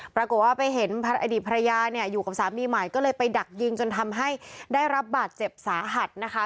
ปรากฏว่าไปเห็นอดีตภรรยาเนี่ยอยู่กับสามีใหม่ก็เลยไปดักยิงจนทำให้ได้รับบาดเจ็บสาหัสนะคะ